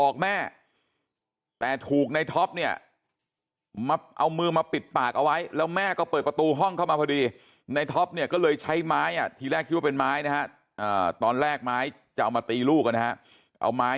ก็เปิดประตูห้องเข้ามาพอดีในท็อปเนี่ยก็เลยใช้ไม้อ่ะทีแรกคิดว่าเป็นไม้นะฮะตอนแรกไม้จะเอามาตีลูกนะฮะเอาไม้